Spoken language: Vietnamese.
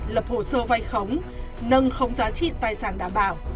lập hồ sơ vai khống nâng khống giá trị tài sản đảm bảo